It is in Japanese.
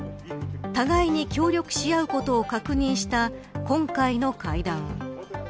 互いに協力し合うことを確認した今回の会談。